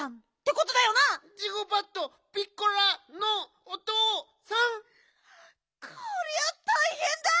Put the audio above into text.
こりゃたいへんだ！